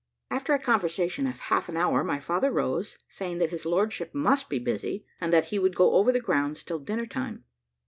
After a conversation of half an hour, my father rose, saying that his lordship must be busy, and that he would go over the grounds till dinner time.